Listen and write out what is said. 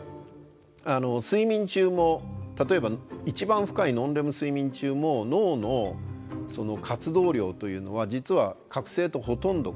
睡眠中も例えば一番深いノンレム睡眠中も脳の活動量というのは実は覚醒とほとんど変わりません。